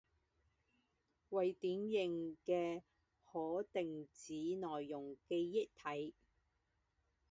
为典型的可定址内容记忆体。